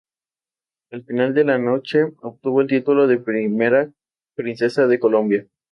Al final de la noche obtuvo el título de primera princesa de Colombia.